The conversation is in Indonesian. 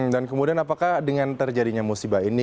dan kemudian apakah dengan terjadinya musibah ini